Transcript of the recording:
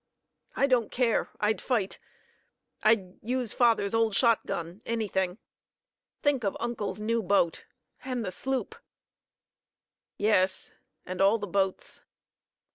"I don't care. I'd fight. I'd use father's old shotgun anything. Think of uncle's new boat and the sloop!" "Yes; and all the boats."